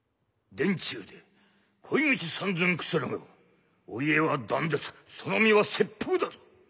「殿中で鯉口三寸くつろげばお家は断絶その身は切腹だぞ。